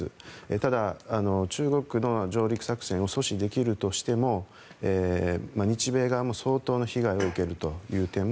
ただ、中国の上陸作戦を阻止できるとしても日米側も相当の被害を受けるという点も